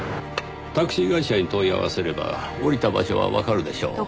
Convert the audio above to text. タクシー会社に問い合わせれば降りた場所はわかるでしょう。